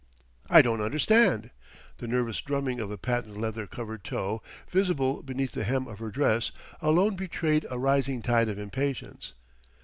"I don't understand." The nervous drumming of a patent leather covered toe, visible beneath the hem of her dress, alone betrayed a rising tide of impatience.